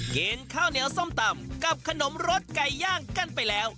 กินข้าวเหนียวส้มตำกับขนมรสไก่ย่างกันไปแล้ว